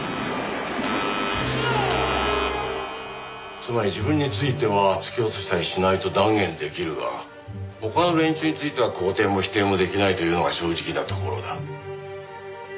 つまり自分については突き落としたりしないと断言出来るが他の連中については肯定も否定も出来ないというのが正直なところだ。